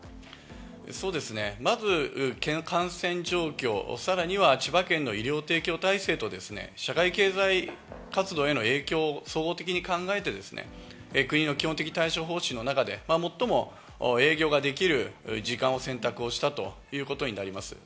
まず感染状況、さらには千葉県の医療提供体制と社会経済活動への影響を総合的に考えて国の基本的対処方針の中で最も影響ができる時間を選択をしたということになります。